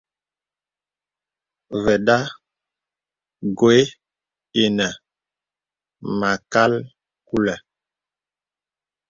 Və̀da gwe inə mâkal kulə̀.